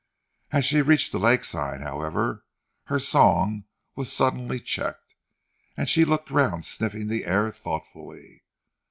As she reached the lakeside, however, her song was suddenly checked, and she looked round sniffing the air thoughtfully.